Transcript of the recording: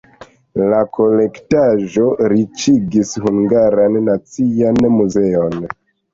La kolektaĵo riĉigis Hungaran Nacian Muzeon.